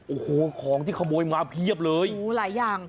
โอ้โหของที่ขโมยมาเพียบเลยโอ้โหหลายอย่าง